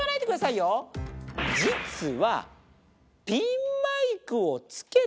実は。